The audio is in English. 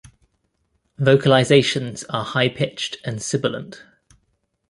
Vocalizations are high-pitched and sibilant.